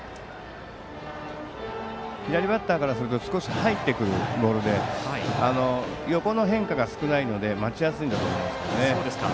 左バッターからすると少し入ってくるボールで横の変化が少ないので待ちやすいですよね。